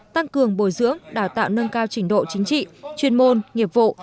tăng cường bồi dưỡng đào tạo nâng cao trình độ chính trị chuyên môn nghiệp vụ